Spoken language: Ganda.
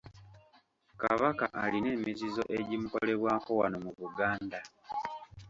Kabaka alina emizizo egimukolebwako wano mu Buganda.